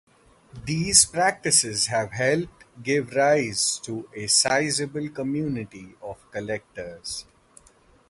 These practices have helped give rise to a sizeable community of collectors.